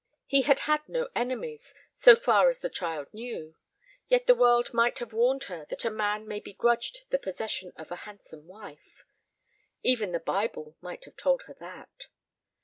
He had had no enemies, so far as the child knew; yet the world might have warned her that a man may be grudged the possession of a handsome wife. Even the Bible might have told her that.